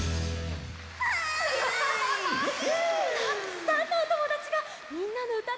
たくさんのおともだちがみんなのうたでえがおになっていたよ！